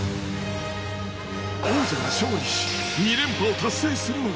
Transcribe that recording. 王者が勝利し２連覇を達成するのか？